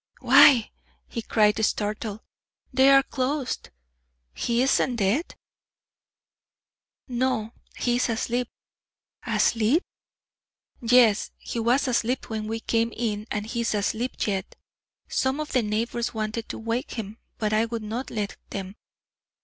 "Why," he cried, startled, "they are closed! He isn't dead?" "No, he is asleep." "Asleep?" "Yes. He was asleep when we came in and he is asleep yet. Some of the neighbours wanted to wake him, but I would not let them.